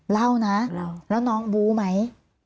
เล่านะแล้วน้องบูไหม